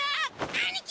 兄貴！